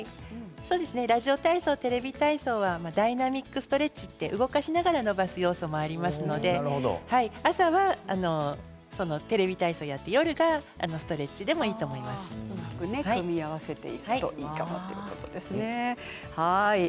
ラジオ体操、テレビ体操はダイナミックストレッチ動かしながら伸ばす要素もありますので朝はそのテレビ体操をやって夜がストレッチでも組み合わせていくといいということですね。